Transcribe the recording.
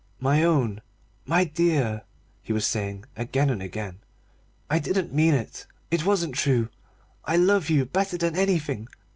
"My own, my dear," he was saying again and again, "I didn't mean it. It wasn't true. I love you better than anything.